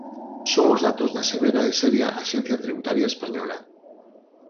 Son os datos da severa e seria Axencia Tributaria española.